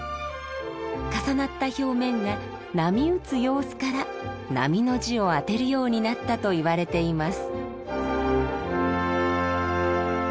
重なった表面が波打つ様子から「波」の字を当てるようになったといわれています。